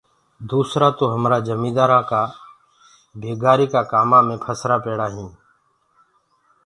ٻيآ تو هيٚنٚ پر جميدآرآنٚ ڪآ بيگاري ڪآ ڪآمانٚ مي پهسرآ پيڙآ هيٚنٚ۔